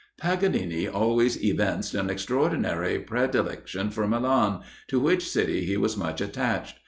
Paganini always evinced an extraordinary predilection for Milan, to which city he was much attached.